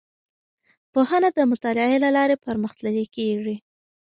پوهنه د مطالعې له لارې پرمختللې کیږي.